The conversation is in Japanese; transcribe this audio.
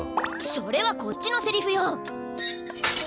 それはこっちのセリフよ！